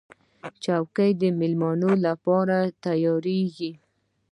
چوکۍ د مېلمنو لپاره تیارېږي.